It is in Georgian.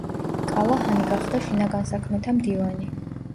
კალაჰანი გახდა შინაგან საქმეთა მდივანი.